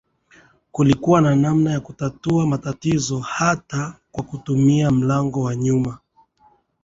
Kulikuwa na namna ya kutatua matatizo hata kwa kutumia mlango wa nyuma